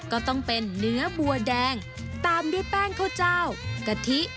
ก็ต้องเป็นเนื้อบัวแดงตามด้วยแป้งข้าวเจ้ากะทิ